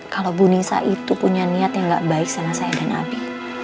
kalau bu nisa itu punya niat yang gak baik sama saya dan abi